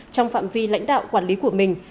trong phạm vi lãnh đạo quản lý của mình